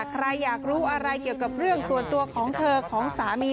ใครอยากรู้อะไรเกี่ยวกับเรื่องส่วนตัวของเธอของสามี